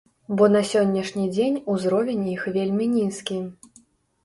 Бо на сённяшні дзень узровень іх вельмі нізкі.